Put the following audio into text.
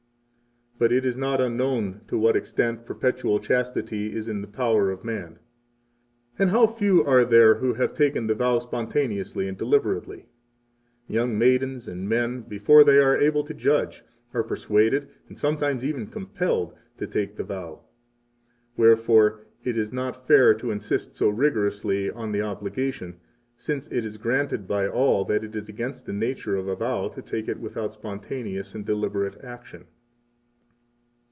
But it is not unknown to what extent perpetual chastity is in the power of man. 29 And how few are there who have taken the vow spontaneously and deliberately! Young maidens and men, before they are able to judge, are persuaded, and sometimes even compelled, to take the vow. Wherefore 30 it is not fair to insist so rigorously on the obligation, since it is granted by all that it is against the nature of a vow to take it without spontaneous and deliberate action.